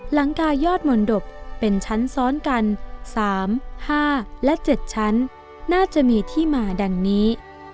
หลังกายอดมนตบเป็นชั้นซ้อนกัน๓๕และ๗ชั้นน่าจะมีที่มาดังนี้